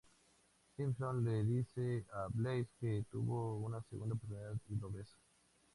Simpson le dice a Blaze que tuvo su segunda oportunidad y lo besa.